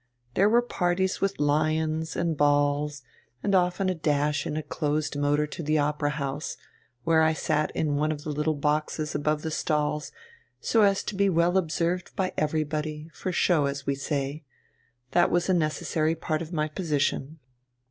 There were parties with 'lions' and balls, and often a dash in a closed motor to the Opera House, where I sat in one of the little boxes above the stalls, so as to be well observed by everybody, for show, as we say. That was a necessary part of my position."